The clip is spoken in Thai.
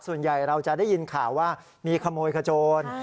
ส่วนใหญ่เราจะได้ยินข่าวว่ามีขโมยขโจร